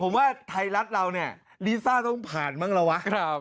ผมว่าไทยรัฐเราเนี่ยลิซ่าต้องผ่านบ้างละวะ